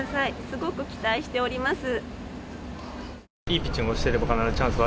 すごく期待しております。